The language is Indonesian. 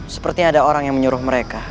seperti ada orang yang menyuruh mereka